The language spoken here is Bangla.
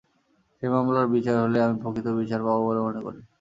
সেই মামলার বিচার হলেই আমি প্রকৃত বিচার পাব বলে মনে করি।